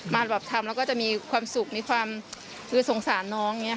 มาแบบทำแล้วก็จะมีความสุขมีความสงสารน้อง